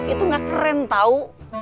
itu nggak keren tau